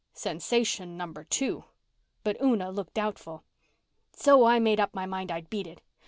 Sensation number two. But Una looked doubtful. "So I made up my mind I'd beat it.